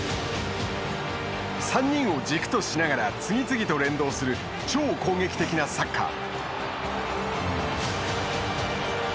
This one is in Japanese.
３人を軸としながら、次々と連動する、超攻撃的なサッカー。